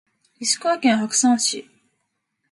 石川県白山市